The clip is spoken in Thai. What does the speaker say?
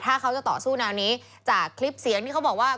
ถ้าเขาจะต่อสู้แนวนี้จากคลิปเสียงที่เขาบอกว่า